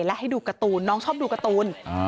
และให้ดูการ์ตูนน้องชอบดูการ์ตูน